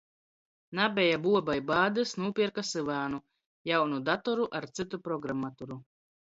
Nabeja buobai bādys, nūpierka syvānu. Jaunu datoru ar cytu programaturu.